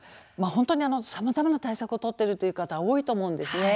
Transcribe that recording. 本当に、さまざまな対策を取っているという方多いと思うんですね。